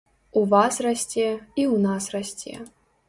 У вас расце, і ў нас расце.